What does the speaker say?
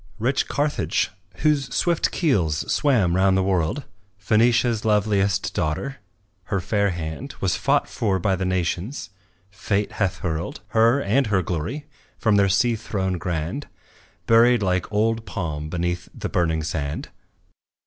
Rich Carthage, whose swift keels swam round the world, Phœnicia's loveliest daughter. Her fair hand Was fought for by the nations; Fate hath hurled, Her and her glory from their sea throne grand, Buried like some old palm beneath the burning sand.